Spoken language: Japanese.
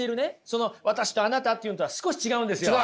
その私とあなたっていうのとは少し違うんですよ。